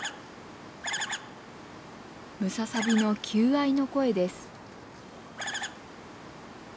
ムササビの求愛の声です。